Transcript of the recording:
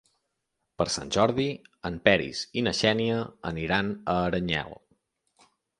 Per Sant Jordi en Peris i na Xènia aniran a Aranyel.